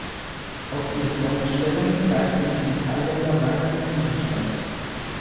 Aus ihren neuen Stellungen leisteten die Thailänder weiterhin Widerstand.